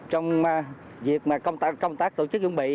trong việc công tác tổ chức chuẩn bị